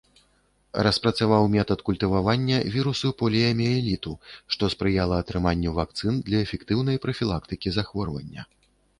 Распрацаваў метад культывавання віруса поліяміэліту, што спрыяла атрыманню вакцын для эфектыўнай прафілактыкі захворвання.